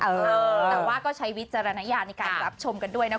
แต่ว่าก็ใช้วิจารณญาณในการรับชมกันด้วยนะ